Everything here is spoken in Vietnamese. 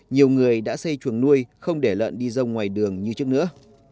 nhiều người đã xây chuồng nuôi không để lợn đi dông ngoài đường như trước nữa